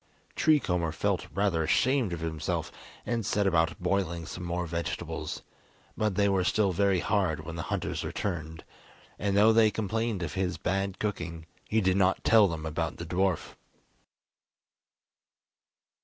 Tree Comber felt rather ashamed of himself, and set about boiling some more vegetables, but they were still very hard when the hunters returned, and though they complained of his bad cooking, he did not tell them about the dwarf.